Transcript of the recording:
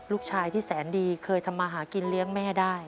ลูกชายที่แสนดีเคยทำมาหากินเลี้ยงแม่ได้